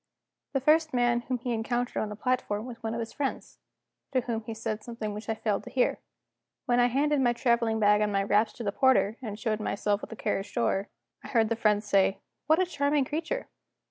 The first man whom he encountered on the platform was one of his friends; to whom he said something which I failed to hear. When I handed my traveling bag and my wraps to the porter, and showed myself at the carriage door, I heard the friend say: "What a charming creature!"